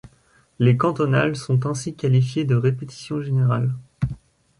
Les cantonales sont ainsi qualifiées de répétition générale.